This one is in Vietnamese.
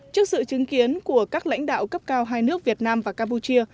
trước sự chứng kiến của các lãnh đạo cấp cao hai nước việt nam và campuchia